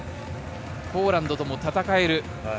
ポーランドとも戦える。